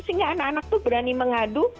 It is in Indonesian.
sehingga anak anak itu berani mengadu